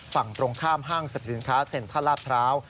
ฝั่งตรงข้ามห้างสรรพสินค้าเซ็นทรัลลาดพร้าว